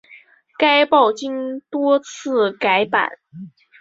该报经多次改版。